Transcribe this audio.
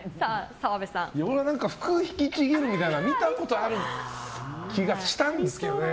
俺は服を引きちぎるみたいなのを見たことある気がしたんですけど。